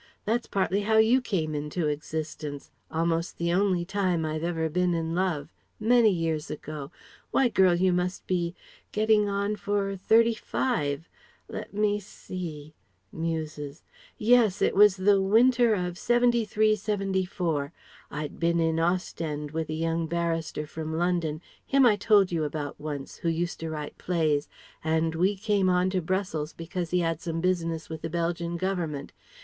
That's partly how you came into existence almost the only time I've ever been in love Many years ago why, girl, you must be getting on for thirty five let me see ... (muses). Yes, it was in the winter of '73 74. I'd bin at Ostende with a young barrister from London ... him I told you about once, who used to write plays, and we came on to Brussels because he had some business with the Belgian Government.